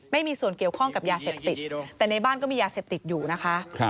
ไม่มีส่วนเกี่ยวข้องกับยาเสพติดแต่ในบ้านก็มียาเสพติดอยู่นะคะ